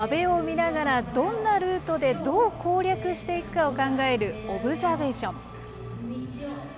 壁を見ながら、どんなルートで、どう攻略していくかを考えるオブザベーション。